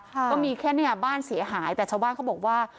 ก็มีแค่เนี่ยบ้านเสียหายแต่ชาวบ้านเขาบอกว่า